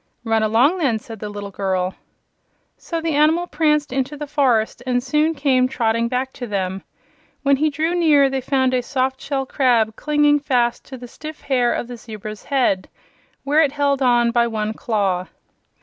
"Run along, then," said the little girl. So the animal pranced into the forest and soon came trotting back to them. When he drew near they found a soft shell crab clinging fast to the stiff hair of the zebra's head, where it held on by one claw.